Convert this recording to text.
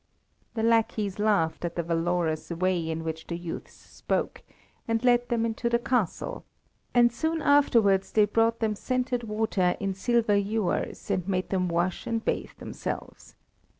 The lackeys laughed at the valorous way in which the youths spoke, and led them into the castle, and soon afterwards they brought them scented water in silver ewers, and made them wash and bathe themselves.